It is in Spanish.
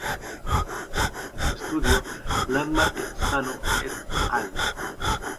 En su estudio "landmark", Sano et al.